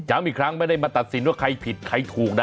อีกครั้งไม่ได้มาตัดสินว่าใครผิดใครถูกนะ